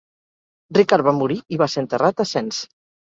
Ricard va morir i va ser enterrat a Sens.